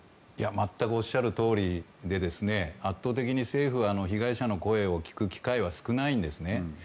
全くおっしゃるとおりで圧倒的に政府は被害者の声を聞く機会は少ないんですね。